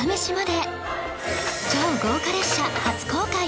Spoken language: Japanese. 超豪華列車初公開！